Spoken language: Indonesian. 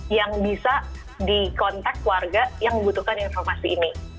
yang bisa dikontak warga yang membutuhkan informasi ini